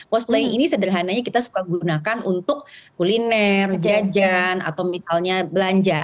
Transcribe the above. pos play ini sederhananya kita suka gunakan untuk kuliner jajan atau misalnya belanja